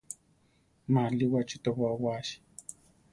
Ma alíwachi tobóa waasi.